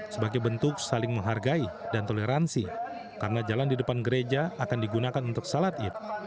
sebagai bentuk saling menghargai dan toleransi karena jalan di depan gereja akan digunakan untuk salat id